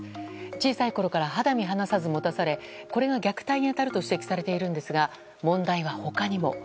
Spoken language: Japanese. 小さいころから肌身離さず持たされこれが虐待に当たると指摘されているんですが問題は、他にも。